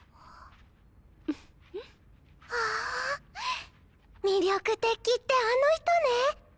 あ魅力的ってあの人ね。